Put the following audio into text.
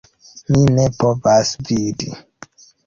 Mi ne povas vidi